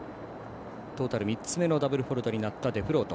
トータル３つ目のダブルフォールトのデフロート。